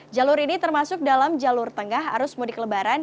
jalur ini termasuk dalam jalur tengah arus mudik lebaran